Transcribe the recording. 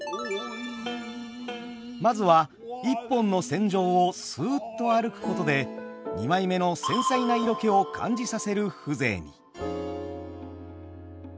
まずは１本の線上をすっと歩くことで二枚目の繊細な色気を感じさせる風情に。